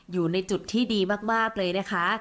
อยู่ในจุดที่ดีมากเลยนะคะ